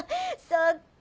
そっか。